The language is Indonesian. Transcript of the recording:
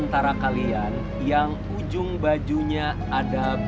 saya akan mengucapkan terima kasih